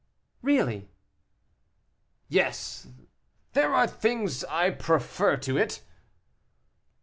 "Really?" "Yes; there are things I prefer to it."